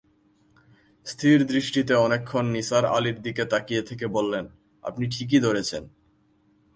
স্থির দৃষ্টিতে অনেকক্ষণ নিসার আলির দিকে তাকিয়ে থেকে বললেন, আপনি ঠিকই ধরেছেন।